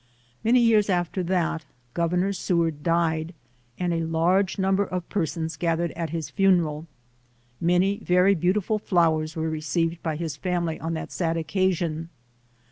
Many years after that, Governor Seward died, and a large number of persons gathered at his funeral. Many very beautiful flowers were re ceived by his family on that sad occasion.